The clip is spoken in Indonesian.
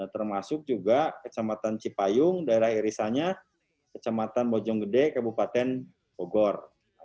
termasuk juga kecamatan cipayung daerah irisannya kecamatan bojonggede kabupaten bogor